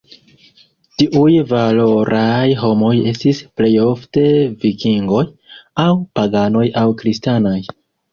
Tiuj "valoraj homoj" estis plejofte vikingoj, aŭ paganoj aŭ kristanaj.